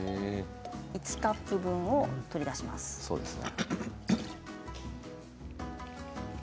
１カップ分、取り出します。